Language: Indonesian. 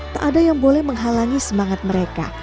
tak ada yang boleh menghalangi semangat mereka